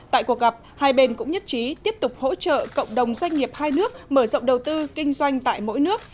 tại cuộc gặp hai bên cũng nhất trí tiếp tục hỗ trợ cộng đồng doanh nghiệp hai nước mở rộng đầu tư kinh doanh tại mỗi nước